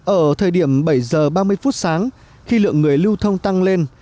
ở thời điểm bảy h ba mươi phút sáng khi lượng người lưu thông tăng lên